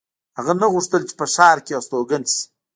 هغه نه غوښتل چې په ښار کې استوګن شي